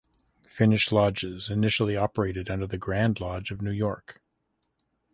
Finnish lodges initially operated under the Grand Lodge of New York.